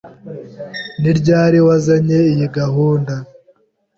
Ni ryari wazanye iyi gahunda?